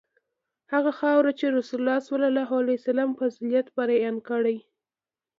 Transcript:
هغه خاوره چې رسول الله فضیلت بیان کړی.